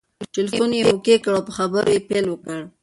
ټلیفون یې اوکې کړ او په خبرو یې پیل وکړ.